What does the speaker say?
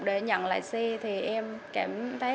để nhận lại xe thì em cảm thấy